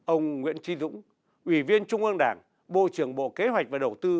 ông nguyễn tri dũng ủy viên trung ương đảng bộ trưởng bộ kế hoạch và đầu tư